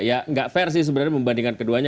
ya nggak fair sih sebenarnya membandingkan keduanya